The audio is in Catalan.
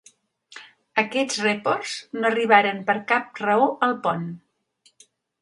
Aquests reports no arribaren per cap raó al pont.